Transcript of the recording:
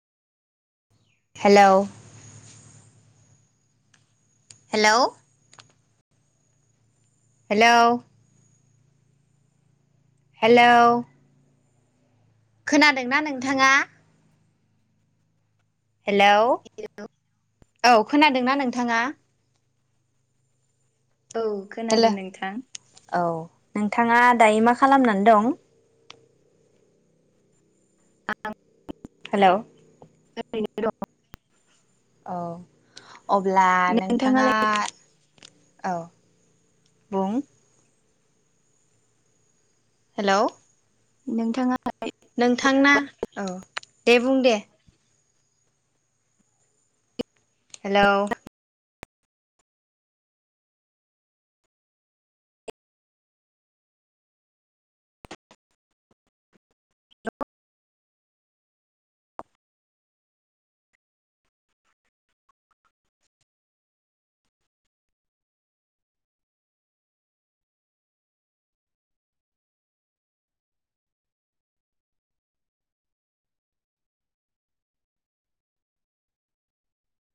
Hello hello hello hello खोनादोंना नोंथाङा? Hello औ खोनादोंना नोंथाङा? औ हेल' खोनादों नोंथां। औ नोंथाङा दायो मा खालामनानै दं? आं हेलौ ओरैनो दं। अ अब्ला नोंथाङा नोंथाङालाय औ बुं हेलौ नोंथाङा [unintelligible] नोंथांना औ दे बुं दे। हेलौ?